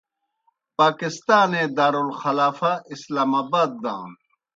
پاکستانے دارالخلافہ اسلام آباد دانوْ۔